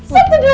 satu dua tiga